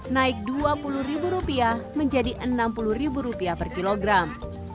naik rp dua puluh menjadi rp enam puluh per kilogram